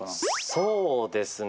そうですね。